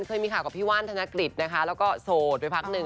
เคยมีข่าวกับพี่ว่านธนกฤษนะคะแล้วก็โสดไปพักหนึ่ง